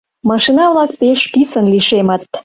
Машина-влак пеш писын лишемыт.